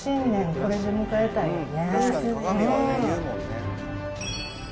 これで迎えたいよね。